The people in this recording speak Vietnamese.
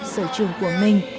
sở trường của mình